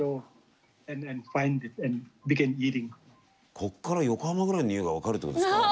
こっから横浜ぐらいのにおいが分かるってことですか。